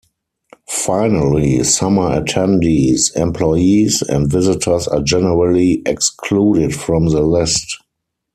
Finally, summer attendees, employees and visitors are generally excluded from the list.